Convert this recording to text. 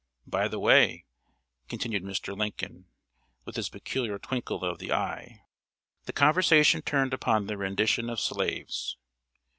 By the way," continued Mr. Lincoln, with his peculiar twinkle of the eye, "the conversation turned upon the rendition of slaves.